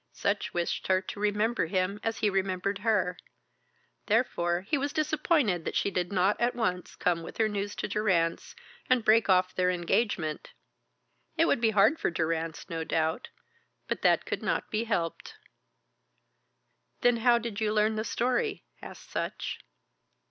Sutch wished her to remember him as he remembered her. Therefore he was disappointed that she did not at once come with her news to Durrance and break off their engagement. It would be hard for Durrance, no doubt, but that could not be helped. "Then how did you learn the story?" asked Sutch.